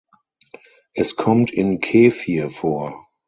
Es kommt in Kefir vor.